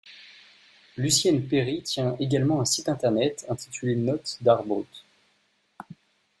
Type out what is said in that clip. Lucienne Peiry tient également un site internet intitulé Notes d'Art Brut.